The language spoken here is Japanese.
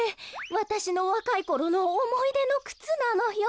わたしのわかいころのおもいでのくつなのよ。